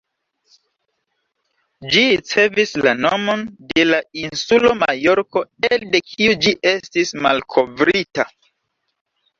Ĝi ricevis la nomon de la insulo Majorko elde kiu ĝi estis malkovrita.